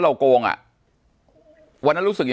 ปากกับภาคภูมิ